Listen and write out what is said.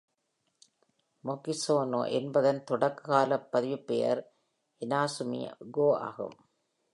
Makizono என்பதன் தொடக்கக்காலப் பதிவுப் பெயர் Inazumi-go ஆகும்.